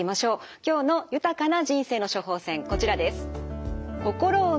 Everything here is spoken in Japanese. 今日の豊かな人生の処方せんこちらです。